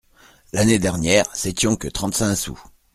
L'année dernière, c'étions que trente-cinq sous.